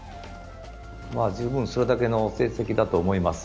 十分それだけの成績だと思います。